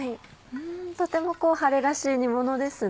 とても春らしい煮ものですね。